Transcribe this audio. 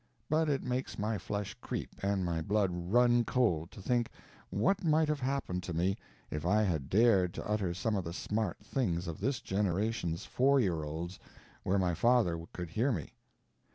But it makes my flesh creep and my blood run cold to think what might have happened to me if I had dared to utter some of the smart things of this generation's "four year olds" where my father could hear me.